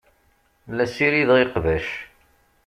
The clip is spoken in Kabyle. La ssirideɣ iqbac.